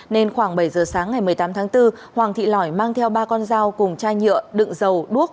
nên khoảng bảy giờ sáng ngày một mươi tám tháng bốn hoàng thị lỏi mang theo ba con dao cùng chai nhựa đựng dầu đuốc